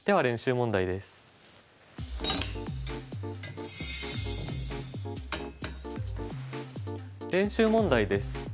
練習問題です。